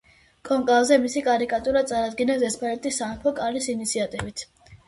კონკლავზე მისი კანდიდატურა წარადგინეს ესპანეთის სამეფო კარის ინიციატივით.